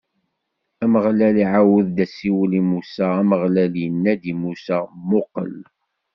Ameɣlal iɛawed-d asiwel i Musa, Ameɣlal inna-d i Musa: Muqel!